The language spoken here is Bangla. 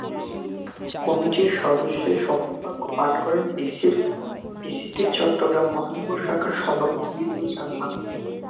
কমিটির সদস্যদের শপথবাক্য পাঠ করান পিসিপির চট্টগ্রাম মহানগর শাখার সভাপতি বিপুল চাকমা।